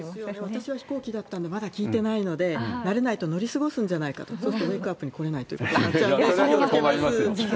私は飛行機だったんで、まだ聞いてないので、慣れないと乗り過ごすんじゃないかと、そうするとウェークアップに来れなくなっそれはちょっと困ります。